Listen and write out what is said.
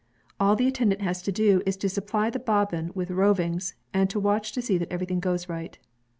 All the attendant has to do is to supply the bobbin with rovings, and to watch to see that everything goes right.